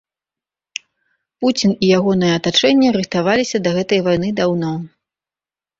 Пуцін і ягонае атачэнне рыхтаваліся да гэтай вайны даўно.